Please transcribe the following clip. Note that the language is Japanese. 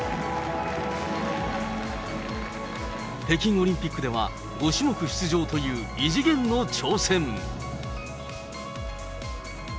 北京オリンピックでは、５種目出場という異次元の挑戦。